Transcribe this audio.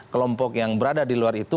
kelompok yang berada di luar itu